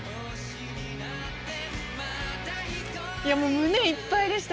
胸いっぱいでした。